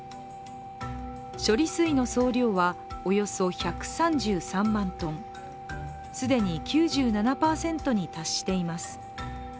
処理水の総量はおよそ１３３万トン、既に９７％に達しています。